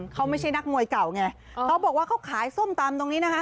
เขาไม่ใช่นักมวยเก่าไงเขาบอกว่าเขาขายส้มตำตรงนี้นะคะ